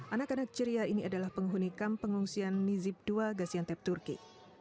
anak kanak ciria ini adalah penghunikan pengungsian nizib ii gasyantep turki